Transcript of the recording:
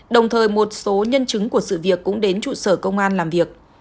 đồng thời một số nhân chứng của sự việc cũng đến trụ sở công an làm việc